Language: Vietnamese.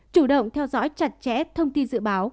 chủ động theo dõi chặt chẽ thông tin dự báo